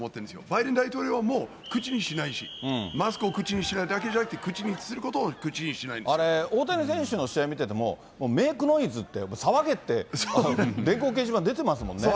バイデン大統領はもう口にしないし、マスクを口にしないだけじゃなくて、あれ、大谷選手の試合見てても、メークノイズって、騒げって、電光掲示板に出てますもんね。